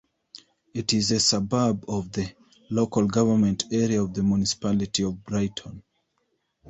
It is a suburb of the local government area of the Municipality of Brighton.